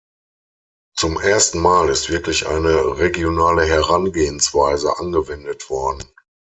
Zum ersten Mal ist wirklich eine regionale Herangehensweise angewendet worden.